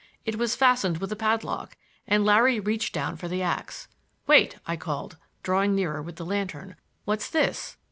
It was fastened with a padlock and Larry reached down for the ax. "Wait!" I called, drawing closer with the lantern. "What's this?"